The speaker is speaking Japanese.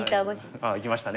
あっいきましたね。